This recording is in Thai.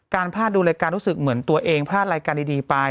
พลาดดูรายการรู้สึกเหมือนตัวเองพลาดรายการดีไป